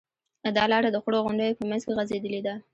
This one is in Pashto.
دا لاره د خړو غونډیو په منځ کې غځېدلې ده.